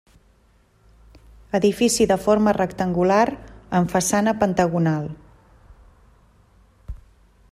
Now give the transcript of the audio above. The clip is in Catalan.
Edifici de forma rectangular amb façana pentagonal.